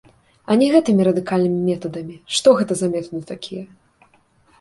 А не гэтымі радыкальнымі метадамі, што гэта за метады такія?